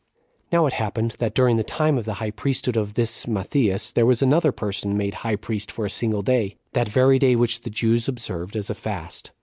Now it happened, that during the time of the high priesthood of this Matthias, there was another person made high priest for a single day, that very day which the Jews observed as a fast.